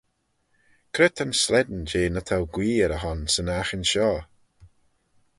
Cre ta'n slane jeh ny t'ou guee er y hon 'syn aghin shoh?